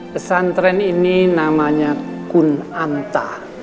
pesantren ini namanya kunanta